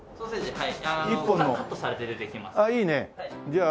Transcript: はい。